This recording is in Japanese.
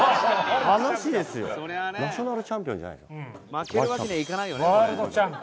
負けるわけにはいかないよね。